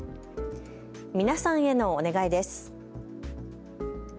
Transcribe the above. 皆さんへのお願いです。